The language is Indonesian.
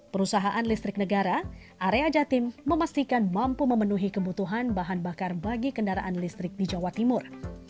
perusahaan listrik negara area jatim memastikan mampu memenuhi kebutuhan bahan bakar bagi kendaraan listrik di jawa timur